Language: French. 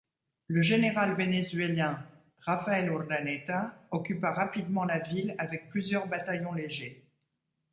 Le général vénézuélien Rafael Urdaneta occupa rapidement la ville avec plusieurs bataillons légers.